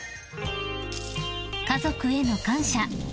［家族への感謝］